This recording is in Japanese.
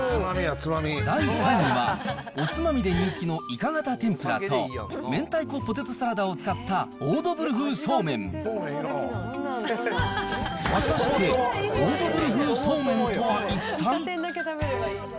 第３位は、おつまみで人気のいか形てんぷらと、明太子ポテトサラダを使ったオードブル風そうめん。果たしてオードブル風そうめんとは一体？